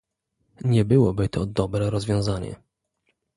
Nie byłoby to dobre rozwiązanie